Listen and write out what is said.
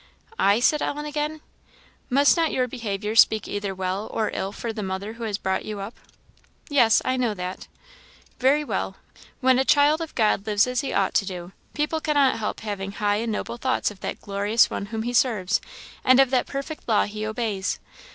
"I!" said Ellen, again. "Must not your behaviour speak either well or ill for the mother who has brought you up?" "Yes, I know that." "Very well; when a child of God lives as he ought to do, people cannot help having high and noble thoughts of that glorious One whom he serves, and of that perfect law he obeys.